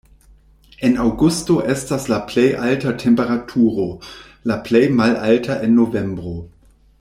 En aŭgusto estas la plej alta temperaturo, la plej malalta en novembro.